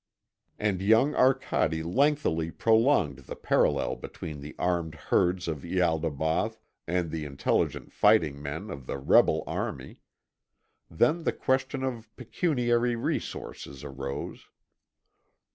And young Arcade lengthily prolonged the parallel between the armed herds of Ialdabaoth and the intelligent fighting men of the rebel army. Then the question of pecuniary resources arose.